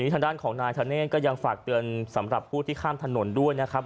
ทางด้านของนายธเนธก็ยังฝากเตือนสำหรับผู้ที่ข้ามถนนด้วยนะครับ